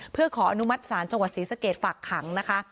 เพื่อขออนุมัติศาลจังหวัดศรีสะเกดฝากขังนะคะ